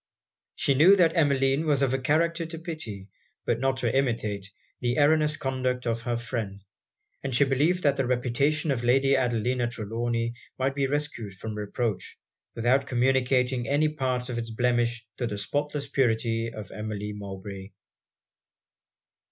She knew that Emmeline was of a character to pity, but not to imitate, the erroneous conduct of her friend; and she believed that the reputation of Lady Adelina Trelawny might be rescued from reproach, without communicating any part of it's blemish to the spotless purity of Emmeline Mowbray.